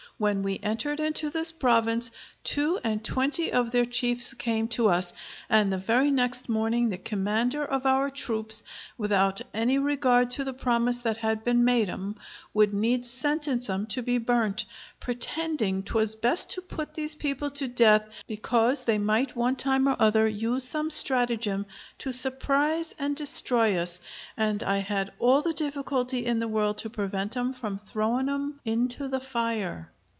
When we entered into this province, two and twenty of their chiefs came to us, and the very next morning the commander of our troops, without any regard to the promise that had been made 'em, would needs sentence 'em to be burnt, pretending 'twas best to put these people to death, because they might one time or other use some stratagem to surprise and destroy us: and I had all the difficulty in the world to prevent 'em from throwing 'em into the fire.